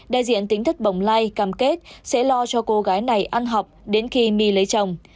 đại diện tính thất bồng lai cam kết sẽ lo cho cô gái này ăn học đến khi my lấy chồng